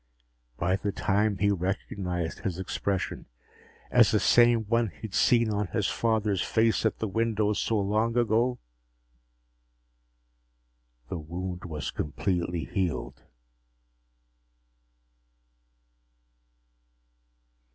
By the time he recognized his expression as the same one he'd seen on his father's face at the window so long ago, the wound was completely healed.